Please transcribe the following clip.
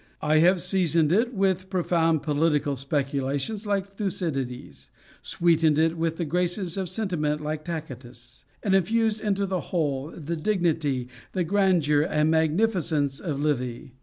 I have seasoned it with profound political speculations like Thucydides, sweetened it with the graces of sentiment like Tacitus, and infused into the whole the dignity, the grandeur and magnificence of Livy.